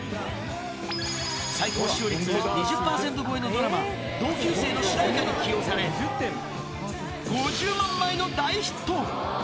最高視聴率２０％超えのドラマ、同・級・生の主題歌で起用され、５０万枚の大ヒット。